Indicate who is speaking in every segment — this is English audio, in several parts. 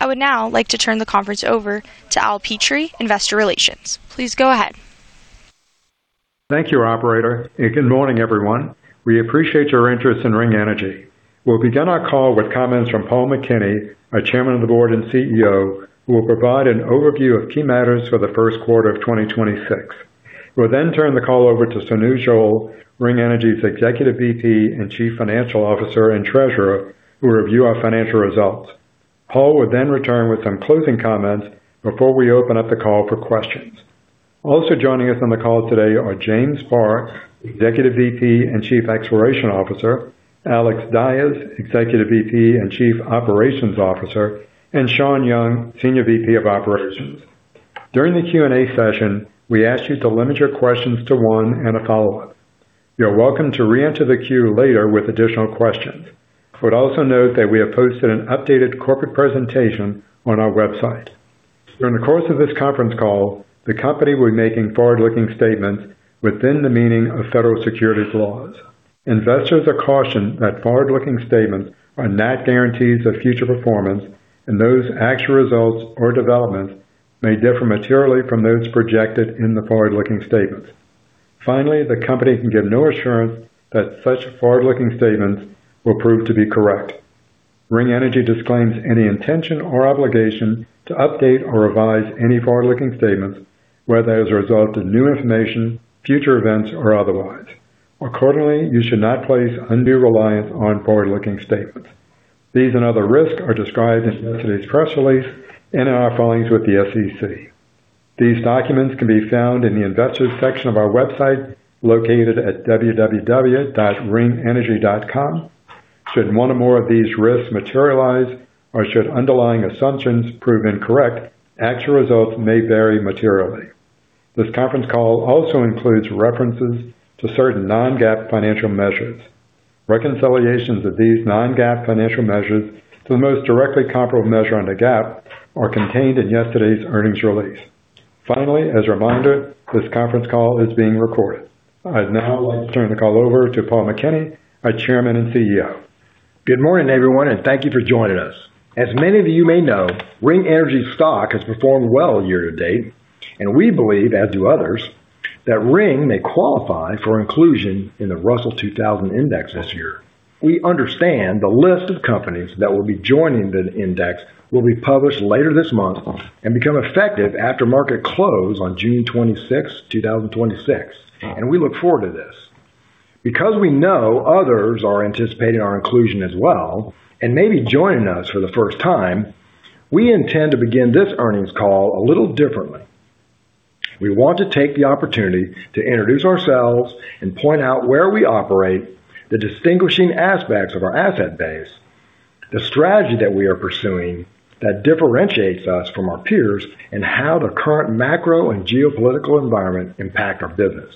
Speaker 1: I would now like to turn the conference over to Al Petrie, Investor Relations. Please go ahead.
Speaker 2: Thank you, operator, and good morning, everyone. We appreciate your interest in Ring Energy. We'll begin our call with comments from Paul McKinney, our Chairman of the Board and CEO, who will provide an overview of key matters for the first quarter of 2026. We'll then turn the call over to Sonu Johl, Ring Energy's Executive VP and Chief Financial Officer and Treasurer, who will review our financial results. Paul will then return with some closing comments before we open up the call for questions. Also joining us on the call today are James Parr, Executive VP and Chief Exploration Officer, Alex Dyes, Executive VP and Chief Operations Officer, and Shawn Young, Senior VP of Operations. During the Q&A session, we ask you to limit your questions to one and a follow-up. You're welcome to re-enter the queue later with additional questions. I would also note that we have posted an updated corporate presentation on our website. During the course of this conference call, the company will be making forward-looking statements within the meaning of federal securities laws. Investors are cautioned that forward-looking statements are not guarantees of future performance, and those actual results or developments may differ materially from those projected in the forward-looking statements. Finally, the company can give no assurance that such forward-looking statements will prove to be correct. Ring Energy disclaims any intention or obligation to update or revise any forward-looking statements, whether as a result of new information, future events, or otherwise. Accordingly, you should not place undue reliance on forward-looking statements. These and other risks are described in yesterday's press release and in our filings with the SEC. These documents can be found in the investors section of our website located at www.ringenergy.com. Should one or more of these risks materialize or should underlying assumptions prove incorrect, actual results may vary materially. This conference call also includes references to certain non-GAAP financial measures. Reconciliations of these non-GAAP financial measures to the most directly comparable measure under GAAP are contained in yesterday's earnings release. Finally, as a reminder, this conference call is being recorded. I'd now like to turn the call over to Paul McKinney, our Chairman and CEO.
Speaker 3: Good morning, everyone, and thank you for joining us. As many of you may know, Ring Energy stock has performed well year to date, and we believe, as do others, that Ring Energy may qualify for inclusion in the Russell 2000 Index this year. We understand the list of companies that will be joining the index will be published later this month and become effective after market close on 26th June 2026, and we look forward to this. Because we know others are anticipating our inclusion as well and may be joining us for the first time, we intend to begin this earnings call a little differently. We want to take the opportunity to introduce ourselves and point out where we operate, the distinguishing aspects of our asset base, the strategy that we are pursuing that differentiates us from our peers, and how the current macro and geopolitical environment impact our business.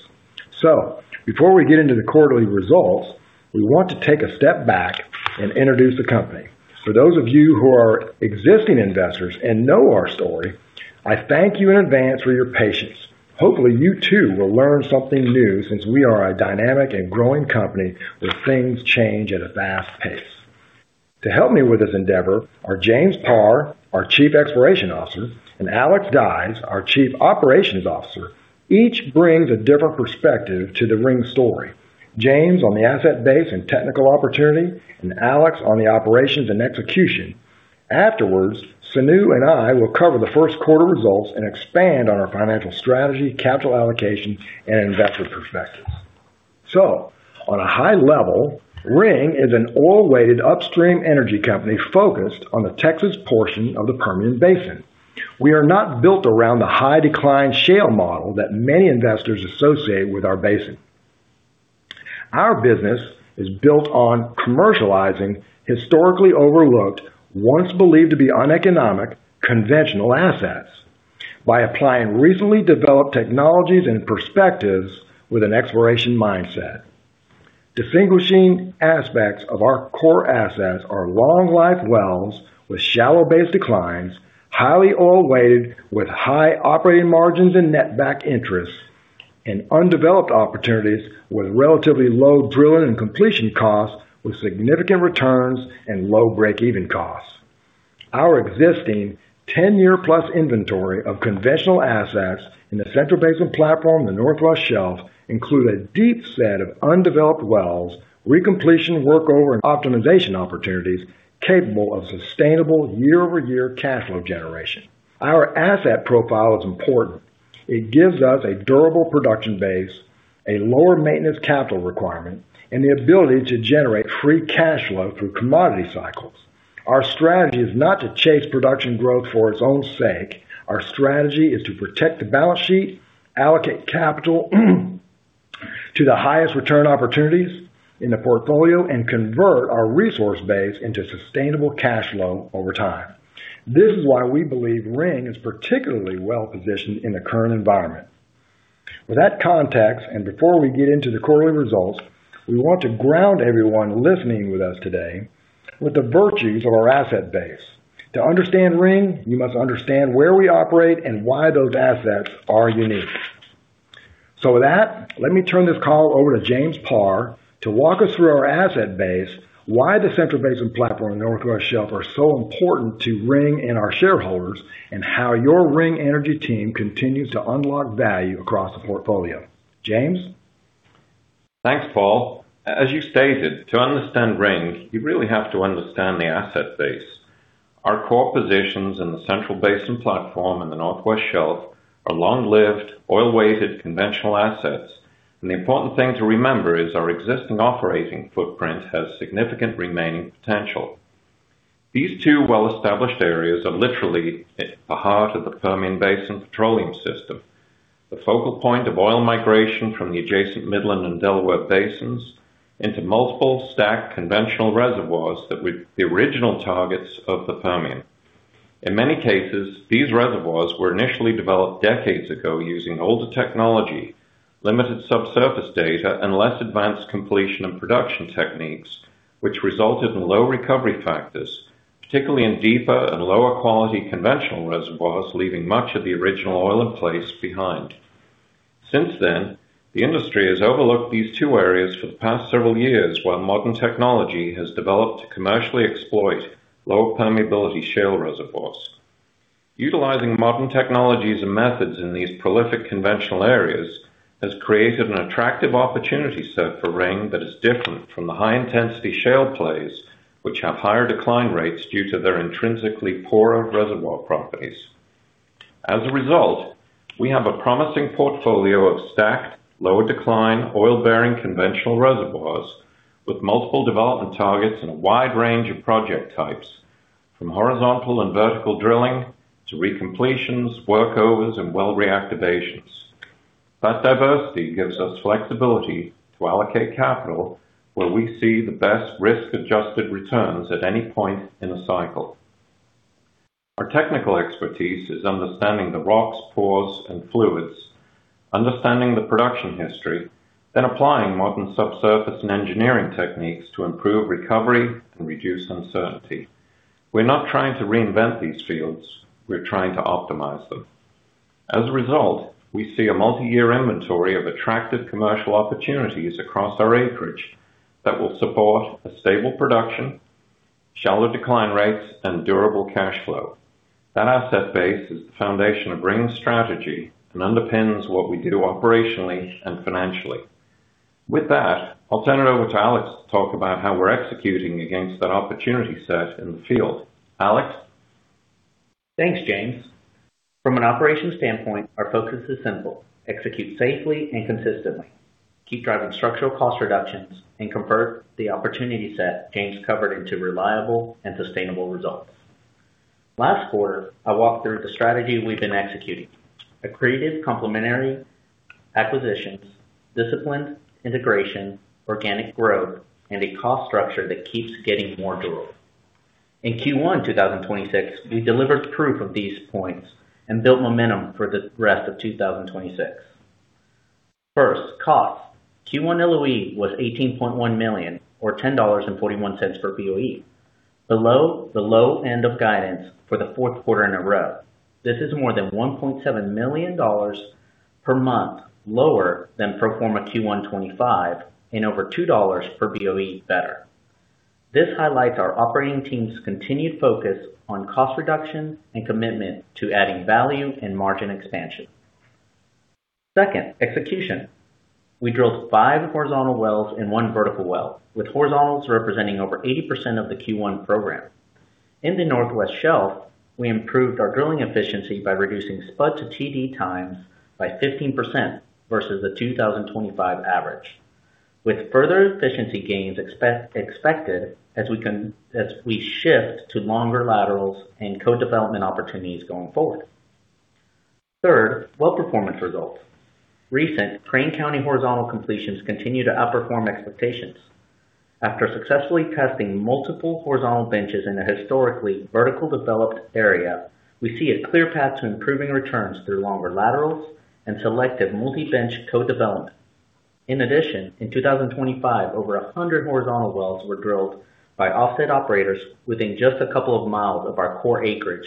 Speaker 3: Before we get into the quarterly results, we want to take a step back and introduce the company. For those of you who are existing investors and know our story, I thank you in advance for your patience. Hopefully, you too will learn something new since we are a dynamic and growing company where things change at a fast pace. To help me with this endeavor are James Parr, our Chief Exploration Officer, and Alex Dyes, our Chief Operations Officer. Each brings a different perspective to the Ring Energy story. James on the asset base and technical opportunity, and Alex on the operations and execution. Afterwards, Sonu and I will cover the first quarter results and expand on our financial strategy, capital allocation, and investor perspectives. On a high level, Ring is an oil-weighted upstream energy company focused on the Texas portion of the Permian Basin. We are not built around the high decline shale model that many investors associate with our basin. Our business is built on commercializing historically overlooked, once believed to be uneconomic, conventional assets by applying recently developed technologies and perspectives with an exploration mindset. Distinguishing aspects of our core assets are long-life wells with shallow base declines, highly oil-weighted with high operating margins and net back interests, and undeveloped opportunities with relatively low drilling and completion costs with significant returns and low break-even costs. Our existing 10-year-plus inventory of conventional assets in the Central Basin Platform, the Northwest Shelf, include a deep set of undeveloped wells, recompletion, workover, and optimization opportunities capable of sustainable year-over-year cash flow generation. Our asset profile is important. It gives us a durable production base, a lower maintenance capital requirement, and the ability to generate free cash flow through commodity cycles. Our strategy is not to chase production growth for its own sake. Our strategy is to protect the balance sheet, allocate capital to the highest return opportunities in the portfolio and convert our resource base into sustainable cash flow over time. This is why we believe Ring is particularly well-positioned in the current environment. With that context, and before we get into the quarterly results, we want to ground everyone listening with us today with the virtues of our asset base. To understand Ring, you must understand where we operate and why those assets are unique. With that, let me turn this call over to James Parr to walk us through our asset base, why the Central Basin Platform Northwest Shelf are so important to Ring Energy and our shareholders, and how your Ring Energy team continues to unlock value across the portfolio. James?
Speaker 4: Thanks, Paul. As you stated, to understand Ring Energy, you really have to understand the asset base. Our core positions in the Central Basin Platform and the Northwest Shelf are long-lived, oil-weighted conventional assets, the important thing to remember is our existing operating footprint has significant remaining potential. These two well-established areas are literally at the heart of the Permian Basin petroleum system, the focal point of oil migration from the adjacent Midland and Delaware Basins into multiple stacked conventional reservoirs that were the original targets of the Permian. In many cases, these reservoirs were initially developed decades ago using older technology, limited subsurface data, and less advanced completion and production techniques, which resulted in low recovery factors, particularly in deeper and lower quality conventional reservoirs, leaving much of the original oil in place behind. Since then, the industry has overlooked these two areas for the past several years, while modern technology has developed to commercially exploit low permeability shale reservoirs. Utilizing modern technologies and methods in these prolific conventional areas has created an attractive opportunity set for Ring that is different from the high-intensity shale plays, which have higher decline rates due to their intrinsically poorer reservoir properties. As a result, we have a promising portfolio of stacked, lower decline, oil-bearing conventional reservoirs with multiple development targets and a wide range of project types, from horizontal and vertical drilling to recompletions, workovers, and well reactivations. That diversity gives us flexibility to allocate capital where we see the best risk-adjusted returns at any point in the cycle. Our technical expertise is understanding the rocks, pores, and fluids, understanding the production history, then applying modern subsurface and engineering techniques to improve recovery and reduce uncertainty. We're not trying to reinvent these fields, we're trying to optimize them. As a result, we see a multi-year inventory of attractive commercial opportunities across our acreage that will support a stable production, shallow decline rates, and durable cash flow. That asset base is the foundation of Ring's strategy and underpins what we do operationally and financially. With that, I'll turn it over to Alex to talk about how we're executing against that opportunity set in the field. Alex?
Speaker 5: Thanks, James. From an operations standpoint, our focus is simple: execute safely and consistently, keep driving structural cost reductions, and convert the opportunity set James covered into reliable and sustainable results. Last quarter, I walked through the strategy we've been executing. Accretive complementary acquisitions, disciplined integration, organic growth, and a cost structure that keeps getting more durable. In Q1 2026, we delivered proof of these points and built momentum for the rest of 2026. First, cost. Q1 LOE was $18.1 million or $10.41 per BOE. Below the low end of guidance for the fourth quarter in a row. This is more than $1.7 million per month lower than pro forma Q1 2025 and over $2 per BOE better. This highlights our operating team's continued focus on cost reduction and commitment to adding value and margin expansion. Second, execution. We drilled five horizontal wells and one vertical well, with horizontals representing over 80% of the Q1 program. In the Northwest Shelf, we improved our drilling efficiency by reducing spud to TD times by 15% versus the 2025 average. With further efficiency gains expected as we shift to longer laterals and co-development opportunities going forward. Third, well performance results. Recent Crane County horizontal completions continue to outperform expectations. After successfully testing multiple horizontal benches in a historically vertical developed area, we see a clear path to improving returns through longer laterals and selective multi-bench co-development. In addition, in 2025, over 100 horizontal wells were drilled by offset operators within just a couple of miles of our core acreage,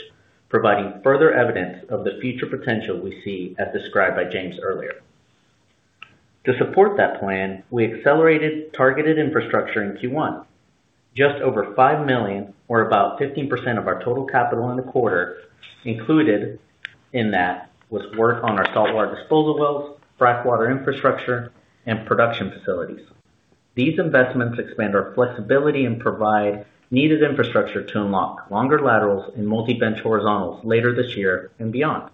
Speaker 5: providing further evidence of the future potential we see as described by James earlier. To support that plan, we accelerated targeted infrastructure in Q1. Just over $5 million or about 15% of our total capital in the quarter included in that was work on our saltwater disposal wells, fresh water infrastructure, and production facilities. These investments expand our flexibility and provide needed infrastructure to unlock longer laterals and multi-bench horizontals later this year and beyond.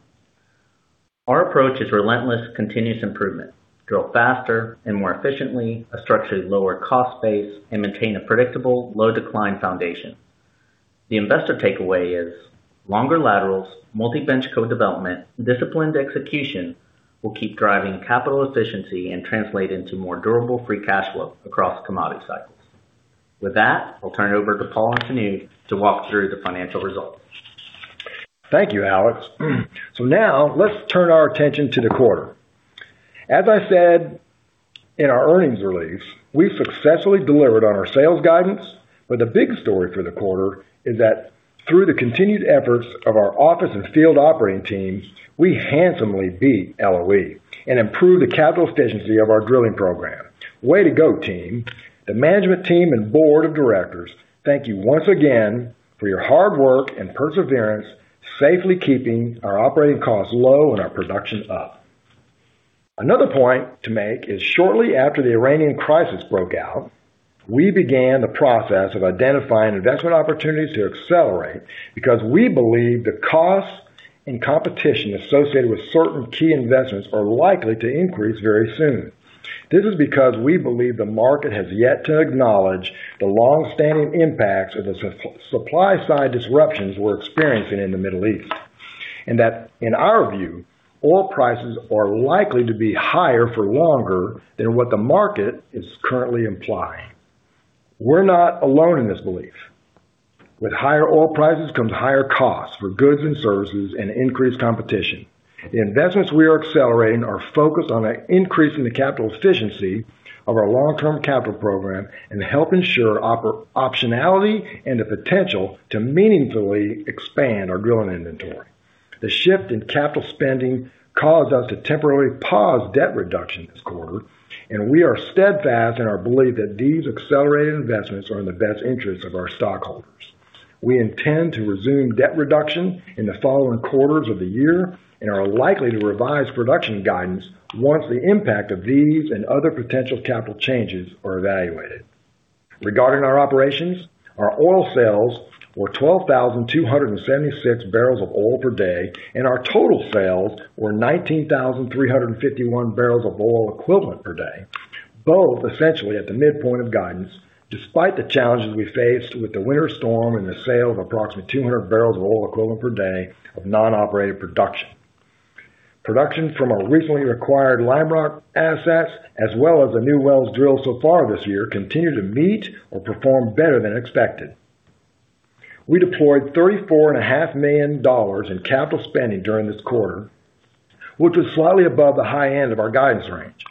Speaker 5: Our approach is relentless continuous improvement. Drill faster and more efficiently, a structured lower cost base, and maintain a predictable low decline foundation. The investor takeaway is longer laterals, multi-bench co-development, disciplined execution will keep driving capital efficiency and translate into more durable free cash flow across commodity cycles. With that, I'll turn it over to Paul and Sonu to walk through the financial results.
Speaker 3: Thank you, Alex. Now let's turn our attention to the quarter. As I said in our earnings release, we successfully delivered on our sales guidance. The big story for the quarter is that through the continued efforts of our office and field operating teams, we handsomely beat LOE and improved the capital efficiency of our drilling program. Way to go, team. The management team and board of directors, thank you once again for your hard work and perseverance, safely keeping our operating costs low and our production up. Another point to make is shortly after the Iranian crisis broke out, we began the process of identifying investment opportunities to accelerate because we believe the cost and competition associated with certain key investments are likely to increase very soon. This is because we believe the market has yet to acknowledge the long-standing impacts of the supply side disruptions we're experiencing in the Middle East. That, in our view, oil prices are likely to be higher for longer than what the market is currently implying. We're not alone in this belief. With higher oil prices comes higher costs for goods and services and increased competition. The investments we are accelerating are focused on increasing the capital efficiency of our long-term capital program and help ensure optionality and the potential to meaningfully expand our drilling inventory. The shift in capital spending caused us to temporarily pause debt reduction this quarter. We are steadfast in our belief that these accelerated investments are in the best interest of our stockholders. We intend to resume debt reduction in the following quarters of the year and are likely to revise production guidance once the impact of these and other potential capital changes are evaluated. Regarding our operations, our oil sales were 12,276 barrels of oil per day, and our total sales were 19,351 barrels of oil equivalent per day. Both essentially at the midpoint of guidance, despite the challenges we faced with the winter storm and the sale of approximately 200 barrels of oil equivalent per day of non-operated production. Production from our recently acquired Lime Rock assets, as well as the new wells drilled so far this year, continue to meet or perform better than expected. We deployed $34.5 million in capital spending during this quarter, which was slightly above the high end of our guidance range.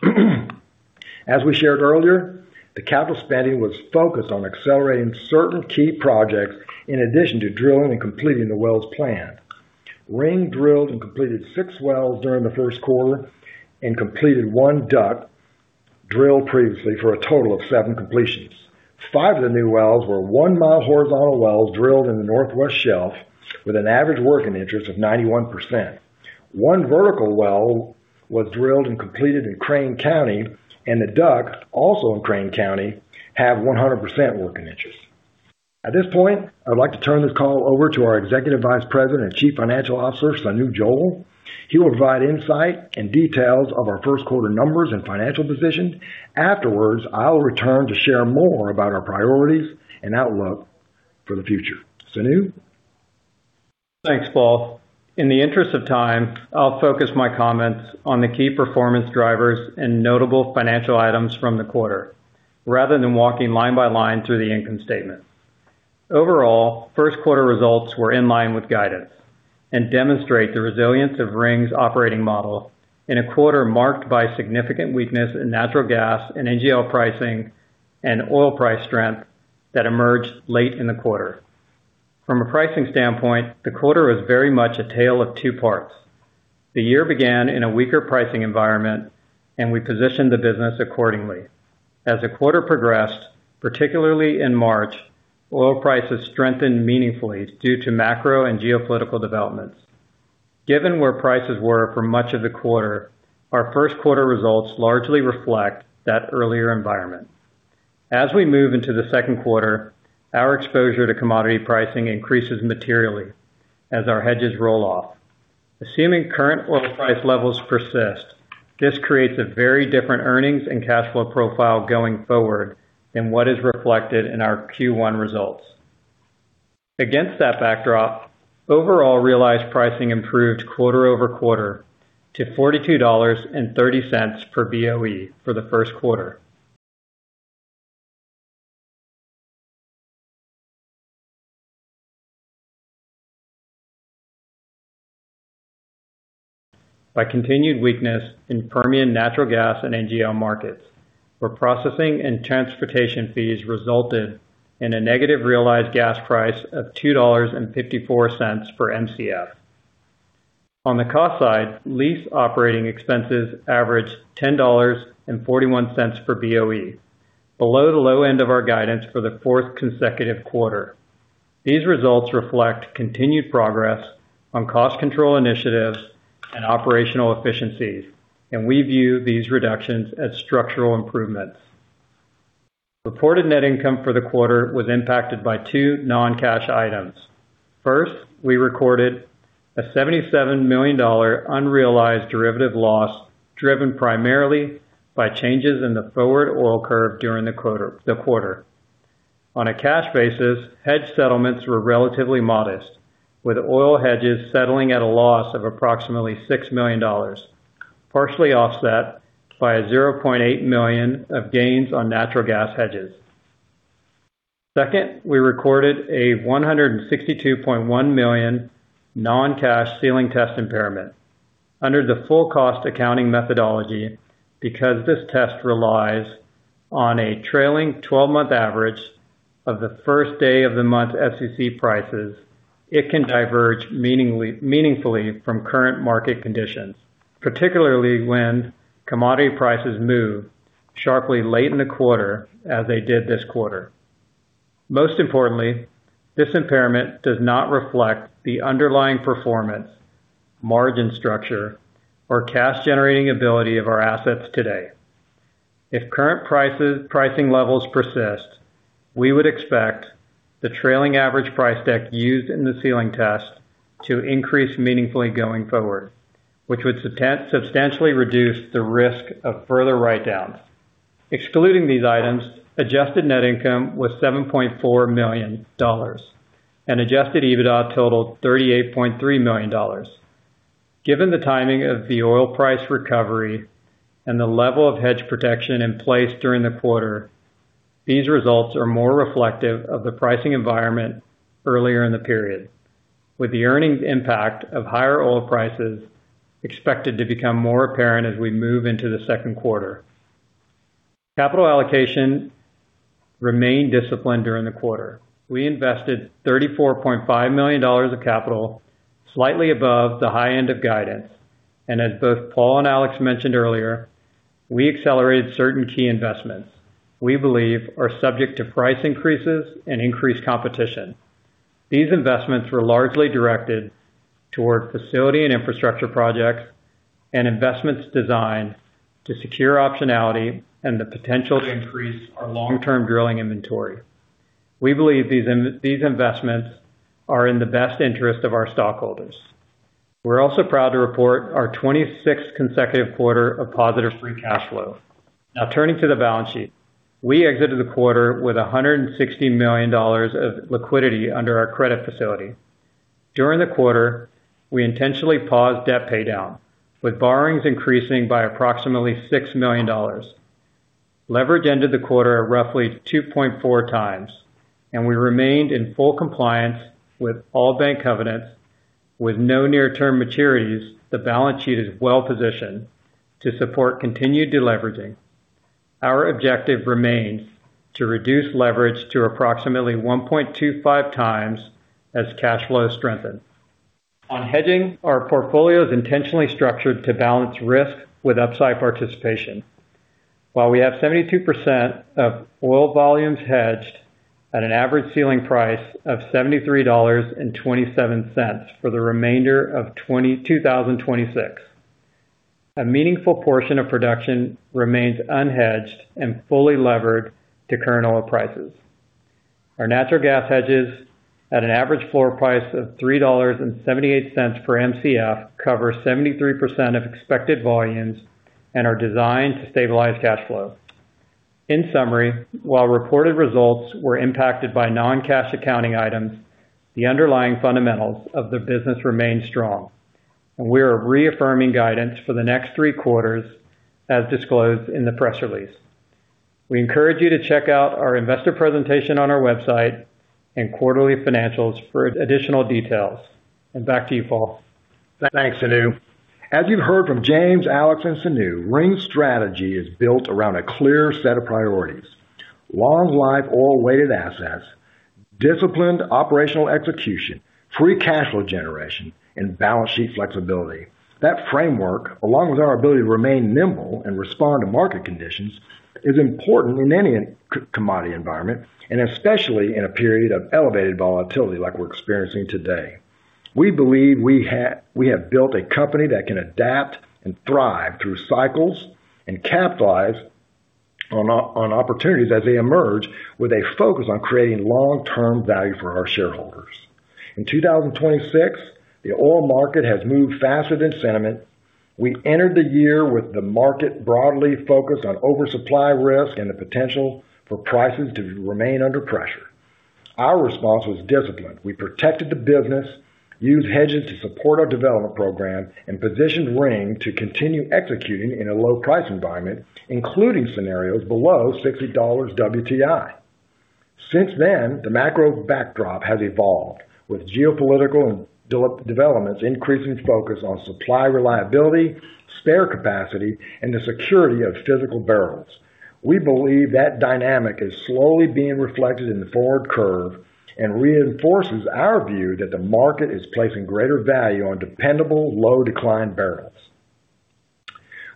Speaker 3: As we shared earlier, the capital spending was focused on accelerating certain key projects in addition to drilling and completing the wells planned. Ring drilled and completed six wells during the first quarter and completed one DUC drilled previously for a total of seven completions. Five of the new wells were 1-mile horizontal wells drilled in the Northwest Shelf with an average working interest of 91%. One vertical well was drilled and completed in Crane County, and the DUC, also in Crane County, have 100% working interest. At this point, I would like to turn this call over to our Executive Vice President and Chief Financial Officer, Sonu Johl. He will provide insight and details of our first quarter numbers and financial position. Afterwards, I will return to share more about our priorities and outlook for the future. Sonu.
Speaker 6: Thanks, Paul. In the interest of time, I'll focus my comments on the key performance drivers and notable financial items from the quarter, rather than walking line by line through the income statement. Overall, Q1 results were in line with guidance and demonstrate the resilience of Ring's operating model in a quarter marked by significant weakness in natural gas and NGL pricing and oil price strength that emerged late in the quarter. From a pricing standpoint, the quarter was very much a tale of two parts. The year began in a weaker pricing environment, and we positioned the business accordingly. As the quarter progressed, particularly in March, oil prices strengthened meaningfully due to macro and geopolitical developments. Given where prices were for much of the quarter, our Q1 results largely reflect that earlier environment. As we move into the Q2, our exposure to commodity pricing increases materially as our hedges roll off. Assuming current oil price levels persist, this creates a very different earnings and cash flow profile going forward than what is reflected in our Q1 results. Against that backdrop, overall realized pricing improved quarter-over-quarter to $42.30 per BOE for the Q1. By continued weakness in Permian natural gas and NGL markets, where processing and transportation fees resulted in a negative realized gas price of $2.54 per Mcf. On the cost side, lease operating expenses averaged $10.41 per BOE, below the low end of our guidance for the consecutive Q4. These results reflect continued progress on cost control initiatives and operational efficiencies, We view these reductions as structural improvements. Reported net income for the quarter was impacted by two non-cash items. First, we recorded a $77 million unrealized derivative loss, driven primarily by changes in the forward oil curve during the quarter. On a cash basis, hedge settlements were relatively modest, with oil hedges settling at a loss of approximately $6 million, partially offset by $0.8 million of gains on natural gas hedges. Second, we recorded a $162.1 million non-cash ceiling test impairment. Under the full cost accounting methodology, because this test relies on a trailing 12-month average of the first day of the month SEC prices, it can diverge meaningfully from current market conditions, particularly when commodity prices move sharply late in the quarter, as they did this quarter. Most importantly, this impairment does not reflect the underlying performance, margin structure, or cash-generating ability of our assets today. If current pricing levels persist, we would expect the trailing average price deck used in the ceiling test to increase meaningfully going forward, which would substantially reduce the risk of further write-downs. Excluding these items, adjusted net income was $7.4 million, and adjusted EBITDA totaled $38.3 million. Given the timing of the oil price recovery and the level of hedge protection in place during the quarter, these results are more reflective of the pricing environment earlier in the period, with the earnings impact of higher oil prices expected to become more apparent as we move into the Q2. Capital allocation remained disciplined during the quarter. We invested $34.5 million of capital, slightly above the high end of guidance. As both Paul McKinney and Alex Dyes mentioned earlier, we accelerated certain key investments we believe are subject to price increases and increased competition. These investments were largely directed toward facility and infrastructure projects and investments designed to secure optionality and the potential to increase our long-term drilling inventory. We believe these investments are in the best interest of our stockholders. We're also proud to report our 26th consecutive quarter of positive free cash flow. Now turning to the balance sheet. We exited the quarter with $160 million of liquidity under our credit facility. During the quarter, we intentionally paused debt paydown, with borrowings increasing by approximately $6 million. Leverage ended the quarter at roughly 2.4x, and we remained in full compliance with all bank covenants. With no near-term maturities, the balance sheet is well-positioned to support continued deleveraging. Our objective remains to reduce leverage to approximately 1.25x as cash flow strengthens. On hedging, our portfolio is intentionally structured to balance risk with upside participation. While we have 72% of oil volumes hedged at an average ceiling price of $73.27 for the remainder of 2026, a meaningful portion of production remains unhedged and fully levered to current oil prices. Our natural gas hedges, at an average floor price of $3.78 per Mcf, cover 73% of expected volumes and are designed to stabilize cash flow. In summary, while reported results were impacted by non-cash accounting items, the underlying fundamentals of the business remain strong, and we are reaffirming guidance for the next three quarters as disclosed in the press release. We encourage you to check out our investor presentation on our website and quarterly financials for additional details. Back to you, Paul.
Speaker 3: Thanks, Sonu. As you've heard from James, Alex, and Sonu, Ring's strategy is built around a clear set of priorities: long life oil weighted assets, disciplined operational execution, free cash flow generation, and balance sheet flexibility. That framework, along with our ability to remain nimble and respond to market conditions, is important in any commodity environment, especially in a period of elevated volatility like we're experiencing today. We believe we have built a company that can adapt and thrive through cycles and capitalize on opportunities as they emerge with a focus on creating long-term value for our shareholders. In 2026, the oil market has moved faster than sentiment. We entered the year with the market broadly focused on oversupply risk and the potential for prices to remain under pressure. Our response was disciplined. We protected the business, used hedges to support our development program, and positioned Ring to continue executing in a low price environment, including scenarios below $60 WTI. Since then, the macro backdrop has evolved, with geopolitical and developments increasing focus on supply reliability, spare capacity, and the security of physical barrels. We believe that dynamic is slowly being reflected in the forward curve and reinforces our view that the market is placing greater value on dependable, low-decline barrels.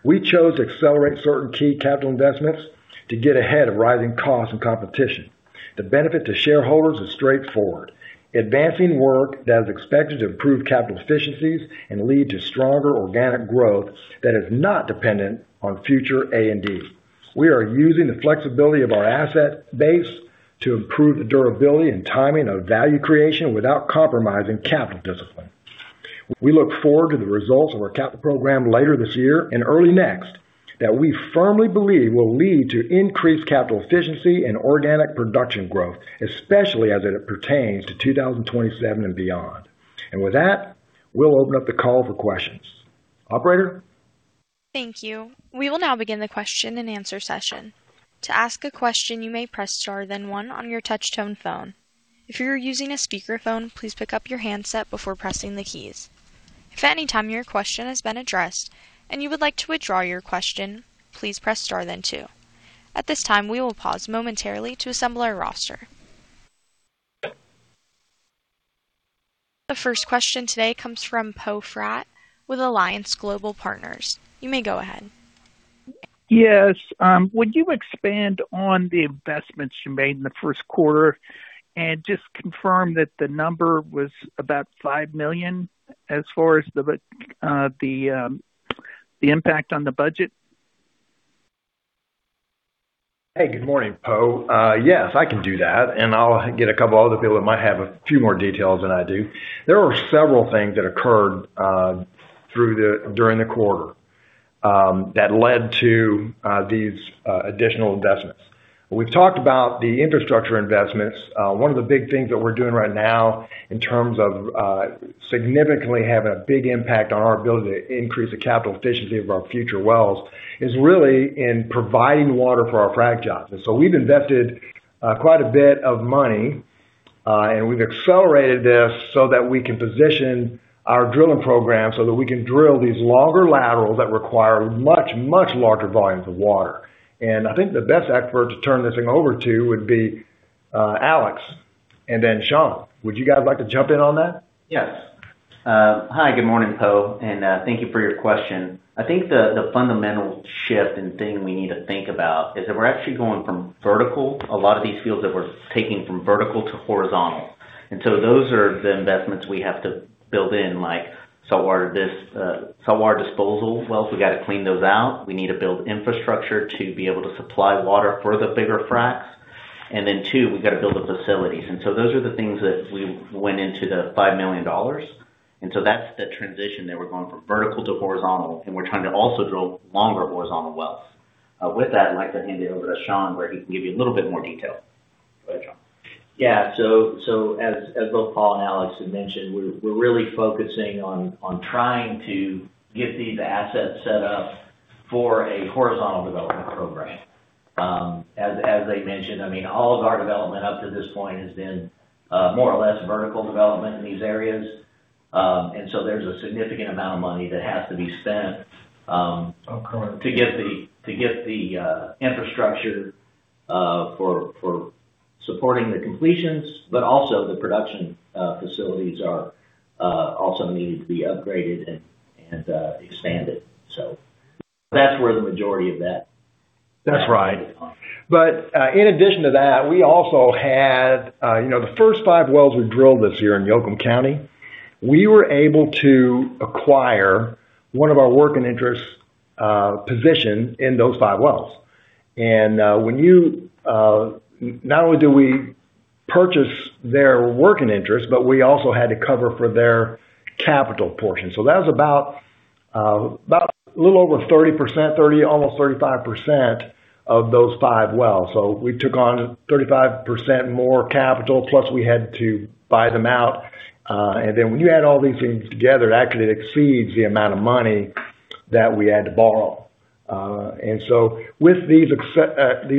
Speaker 3: We chose to accelerate certain key capital investments to get ahead of rising costs and competition. The benefit to shareholders is straightforward. Advancing work that is expected to improve capital efficiencies and lead to stronger organic growth that is not dependent on future A&D. We are using the flexibility of our asset base to improve the durability and timing of value creation without compromising capital discipline. We look forward to the results of our capital program later this year and early next, that we firmly believe will lead to increased capital efficiency and organic production growth, especially as it pertains to 2027 and beyond. With that, we'll open up the call for questions. Operator?
Speaker 1: Thank you. We will now begin the question and answer session. To ask a question, you may press Star, then one on your touchtone phone. If you are using a speakerphone, please pick up your handset before pressing the keys. If at any time your question has been addressed and you would like to withdraw your question, please press star then two. At this time, we will pause momentarily to assemble our roster. The first question today comes from Poe Fratt with Alliance Global Partners. You may go ahead.
Speaker 7: Yes. Would you expand on the investments you made in the Q1 and just confirm that the number was about $5 million as far as the impact on the budget?
Speaker 3: Hey, good morning, Poe. Yes, I can do that, and I'll get a couple other people that might have a few more details than I do. There were several things that occurred through the during the quarter that led to these additional investments. We've talked about the infrastructure investments. One of the big things that we're doing right now in terms of significantly having a big impact on our ability to increase the capital efficiency of our future wells is really in providing water for our frac jobs. We've invested quite a bit of money, and we've accelerated this so that we can position our drilling program so that we can drill these longer laterals that require much larger volumes of water. I think the best expert to turn this thing over to would be Alex, and then Shawn. Would you guys like to jump in on that?
Speaker 5: Yes. Hi, good morning, Poe, thank you for your question. I think the fundamental shift and thing we need to think about is that we're actually going from vertical. A lot of these fields that we're taking from vertical to horizontal. Those are the investments we have to build in, like saltwater disposal wells. We gotta clean those out. We need to build infrastructure to be able to supply water for the bigger fracs. Two, we've got to build the facilities. Those are the things that we went into the $5 million. That's the transition there. We're going from vertical to horizontal, and we're trying to also drill longer horizontal wells. With that, I'd like to hand it over to Shawn, where he can give you a little bit more detail. Go ahead, Shawn.
Speaker 8: Yeah. As both Paul and Alex had mentioned, we're really focusing on trying to get these assets set up for a horizontal development program. As they mentioned, I mean, all of our development up to this point has been more or less vertical development in these areas. There's a significant amount of money that has to be spent.
Speaker 7: Okay.
Speaker 8: To get the infrastructure for supporting the completions, but also the production facilities are also needing to be upgraded and expanded. That's where the majority of that.
Speaker 3: That's right. In addition to that, we also had, you know, the first five wells we drilled this year in Yoakum County, we were able to acquire one of our working interest position in those five wells. When you, not only do we purchase their working interest, but we also had to cover for their capital portion. That was about a little over 30%, almost 35% of those five wells. We took on 35% more capital, plus we had to buy them out. When you add all these things together, it actually exceeds the amount of money that we had to borrow. With these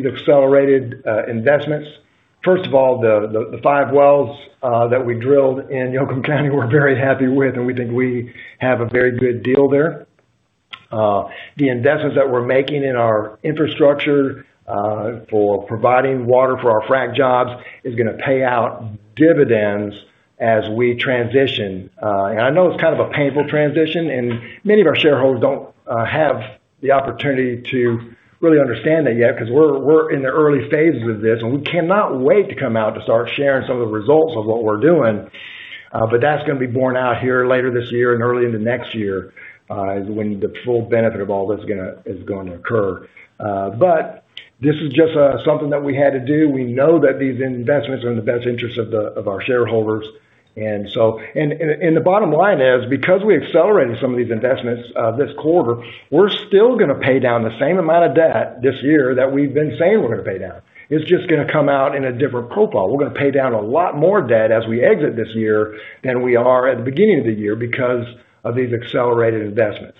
Speaker 3: accelerated investments, first of all, the five wells that we drilled in Yoakum County we're very happy with, and we think we have a very good deal there. The investments that we're making in our infrastructure for providing water for our frac jobs is going to pay out dividends as we transition. I know it's kind of a painful transition, and many of our shareholders don't have the opportunity to really understand that yet because we're in the early phases of this, and we cannot wait to come out to start sharing some of the results of what we're doing. But that's going to be borne out here later this year and early into next year is when the full benefit of all this is going to occur. This is just something that we had to do. We know that these investments are in the best interest of our shareholders. The bottom line is because we accelerated some of these investments, this quarter, we're still gonna pay down the same amount of debt this year that we've been saying we're gonna pay down. It's just gonna come out in a different profile. We're gonna pay down a lot more debt as we exit this year than we are at the beginning of the year because of these accelerated investments.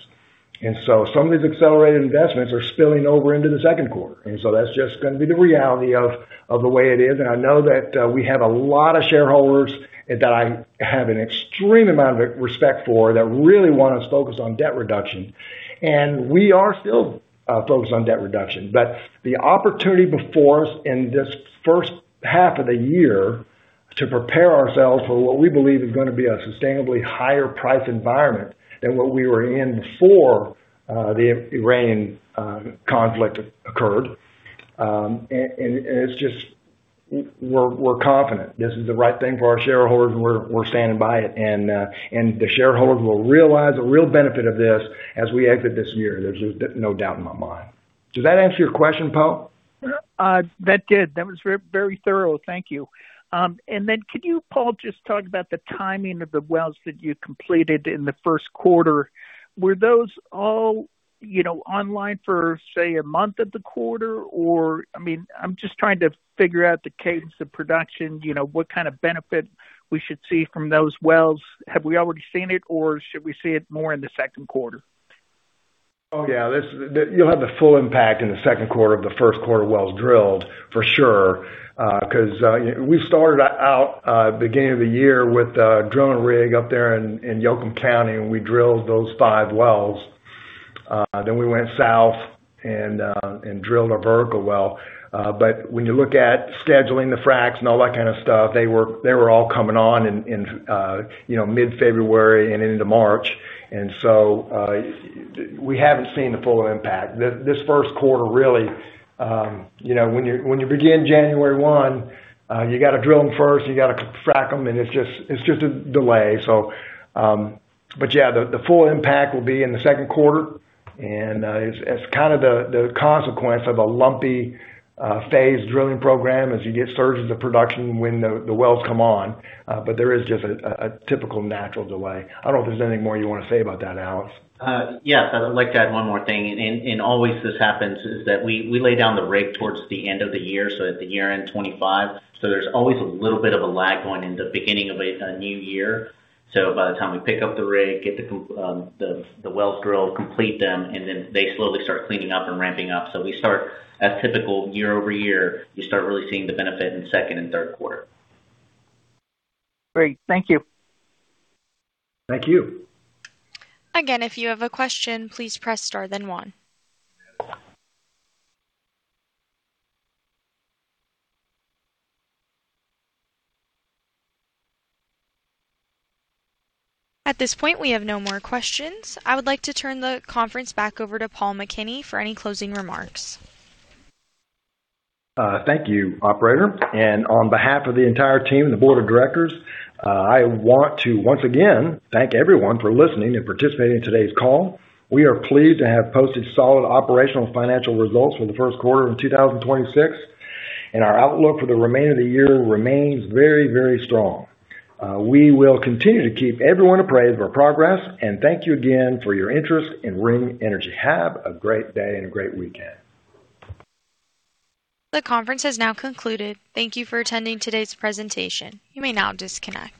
Speaker 3: Some of these accelerated investments are spilling over into the second quarter. That's just gonna be the reality of the way it is. I know that we have a lot of shareholders that I have an extreme amount of respect for that really want us focused on debt reduction. We are still focused on debt reduction. The opportunity before us in this H1 of the year to prepare ourselves for what we believe is gonna be a sustainably higher price environment than what we were in before the Iranian conflict occurred, we're confident this is the right thing for our shareholders, and we're standing by it. The shareholders will realize the real benefit of this as we exit this year. There's just no doubt in my mind. Does that answer your question, Paul?
Speaker 7: That did. That was very thorough. Thank you. Could you, Paul, just talk about the timing of the wells that you completed in the Q1. Were those all, you know, online for, say, a month of the quarter? Or, I mean, I'm just trying to figure out the cadence of production, you know, what kind of benefit we should see from those wells. Have we already seen it, or should we see it more in the Q2?
Speaker 3: Yeah, you'll have the full impact in the Q2 of the Q1 wells drilled, for sure. Because we started out beginning of the year with a drilling rig up there in Yoakum County, we drilled those five wells. We went south and drilled a vertical well. When you look at scheduling the fracs and all that kind of stuff, they were all coming on in, you know, mid-February and into March. We haven't seen the full impact. This Q1 really, you know, when you begin January 1, you gotta drill them first, you gotta frac them, it's just a delay. Yeah, the full impact will be in the Q2. It's, it's kind of the consequence of a lumpy, phased drilling program as you get surges of production when the wells come on. There is just a typical natural delay. I don't know if there's any more you wanna say about that, Alex.
Speaker 5: Yes, I would like to add one more thing. Always this happens is that we lay down the rig towards the end of the year, so at the year-end 2025. There's always a little bit of a lag going into beginning of a new year. By the time we pick up the rig, get the wells drilled, complete them, and then they slowly start cleaning up and ramping up. We start As typical year-over-year, you start really seeing the benefit in Q2 and Q3.
Speaker 7: Great. Thank you.
Speaker 3: Thank you.
Speaker 1: Again, if you have a question, please press star then one. At this point, we have no more questions. I would like to turn the conference back over to Paul McKinney for any closing remarks.
Speaker 3: Thank you, operator. On behalf of the entire team and the board of directors, I want to once again thank everyone for listening and participating in today's call. We are pleased to have posted solid operational and financial results for the Q1 of 2026, and our outlook for the remainder of the year remains very, very strong. We will continue to keep everyone appraise of our progress, and thank you again for your interest in Ring Energy. Have a great day and a great weekend.
Speaker 1: The conference has now concluded. Thank you for attending today's presentation. You may now disconnect.